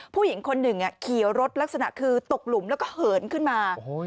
ผู้หญิงคนหนึ่งขี่รถลักษณะคือตกหลุมแล้วก็เหินขึ้นมา